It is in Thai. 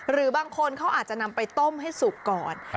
หรือบางคนเขาอาจจะนำไปต้มให้สุกก่อน